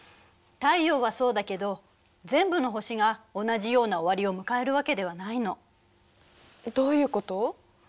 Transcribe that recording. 太陽はそうだけど全部の星が同じような終わりを迎えるわけではないの。どういうこと？